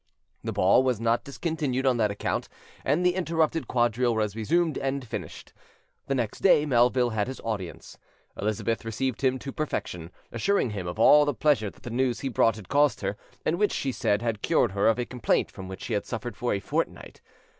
The ball was not discontinued on that account, and the interrupted quadrille was resumed and finished. The next day, Melville had his audience. Elizabeth received him to perfection, assuring him of all the pleasure that the news he brought had caused her, and which, she said, had cured her of a complaint from which she had suffered for a fortnight.